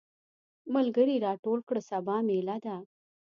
ملګري راټول کړه سبا ميله ده.